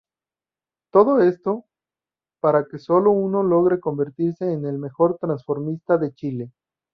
Todo esto, para que solo uno logre convertirse en el mejor transformista de Chile.